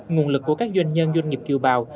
nguồn lực của các doanh nhân doanh nghiệp kiều bào